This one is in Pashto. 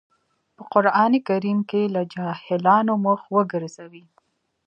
په قرآن کريم کې له جاهلانو مخ وګرځوئ.